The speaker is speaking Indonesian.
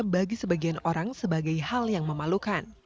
bagi sebagian orang sebagai hal yang memalukan